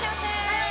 はい！